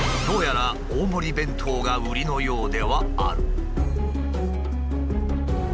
どうやら大盛り弁当が売りのようではある。